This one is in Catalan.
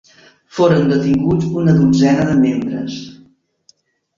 Foren detinguts una dotzena de membres.